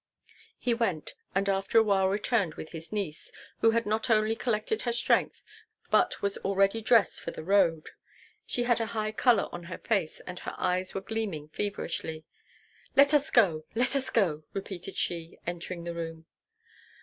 He went, and after a while returned with his niece, who had not only collected her strength, but was already dressed for the road. She had a high color on her face, and her eyes were gleaming feverishly. "Let us go, let us go!" repeated she, entering the room.